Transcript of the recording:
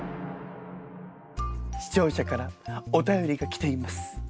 視聴者からお便りが来ています。